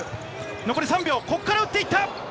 残り３秒ここから打っていった！